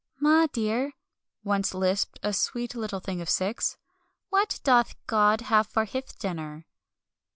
"Ma, dear," once lisped a sweet little thing of six, "what doth God have for hith dinner?"